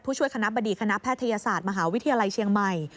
ช่วยคณะบดีคณะแพทยศาสตร์มหาวิทยาลัยเชียงใหม่